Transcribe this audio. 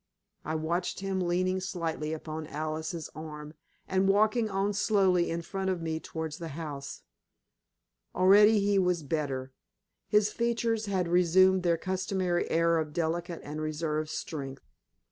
I watched him leaning slightly upon Alice's arm, and walking on slowly in front of me towards the house. Already he was better. His features had reassumed their customary air of delicate and reserved strength.